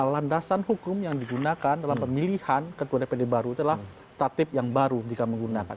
landasan hukum yang digunakan dalam pemilihan ketua dpd baru itu adalah tatip yang baru jika menggunakan